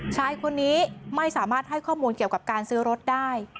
ชายคนนี้ไม่สามารถให้ข้อมูลเกี่ยวกับการซื้อรถได้